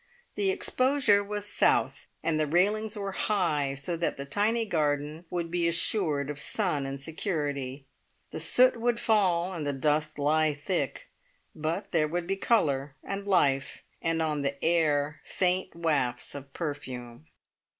The exposure was south, and the railings were high, so that the tiny garden would be assured of sun and security. The soot would fall, and the dust lie thick, but there would be colour and life, and on the air faint wafts of perfume.